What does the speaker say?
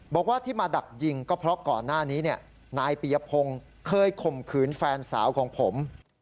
บอกว่าที่มาดักยิงก็เพราะก่อนหน้านี้นายปียพงศ์เคยข่มขืนแฟนสาวของผม